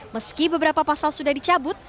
meski beberapa pasal sudah dicabut